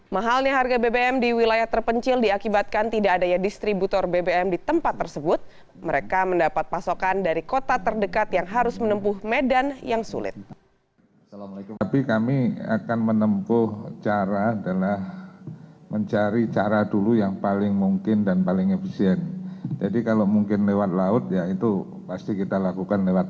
mahalnya harga bbm di wilayah terpencil diakibatkan tidak ada distributor bbm di tempat tersebut mereka mendapat pasokan dari kota terdekat yang harus menempuh medan yang sulit